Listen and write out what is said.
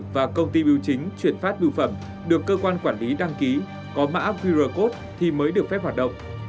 và công ty biểu chính chuyển phát biêu phẩm được cơ quan quản lý đăng ký có mã qr code thì mới được phép hoạt động